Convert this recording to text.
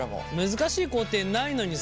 難しい工程ないのにさ